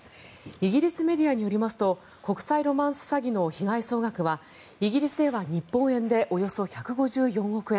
イギリスメディアによりますと国際ロマンス詐欺の被害総額はイギリスでは日本円でおよそ１５４億円。